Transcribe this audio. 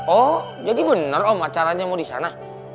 oh jadi benar om acaranya mau di sana